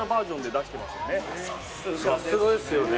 さすがですね。